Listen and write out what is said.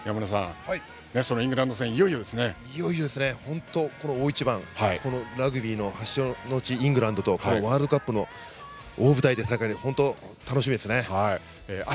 山村さん、イングランド戦この大一番ラグビー発祥の地のイングランドとワールドカップの大舞台で戦えるって本当に楽しみですね。